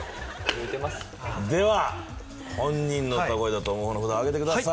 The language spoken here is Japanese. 言うてますでは本人の歌声だと思う方の札あげてください